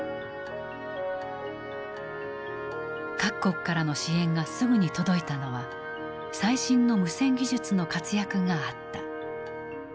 各国からの支援がすぐに届いたのは最新の無線技術の活躍があった。